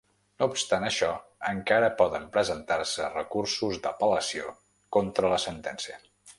No obstant això, encara poden presentar-se recursos d’apel·lació contra la sentència.